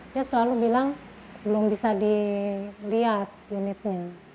dia selalu bilang belum bisa dilihat unitnya